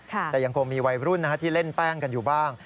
แต่ยังคงมีวัยรุ่นที่เล่นแป้งกันอยู่บ้าง